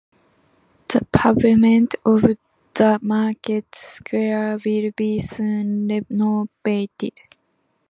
The pavement of the market square will be soon renovated.